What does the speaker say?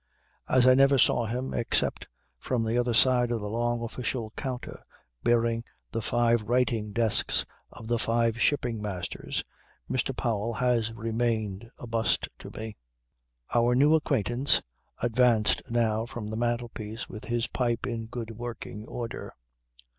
As I never saw him except from the other side of the long official counter bearing the five writing desks of the five Shipping Masters, Mr. Powell has remained a bust to me." Our new acquaintance advanced now from the mantelpiece with his pipe in good working order.